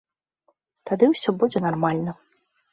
Тады ўсё будзе нармальна.